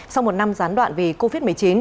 sau một năm gián đoạn vì covid một mươi chín